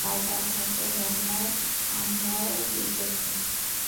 বারবার ধসের ঘটনায় আমরাও বিব্রত।